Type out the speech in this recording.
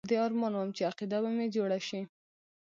په دې ارمان وم چې عقیده به مې جوړه شي.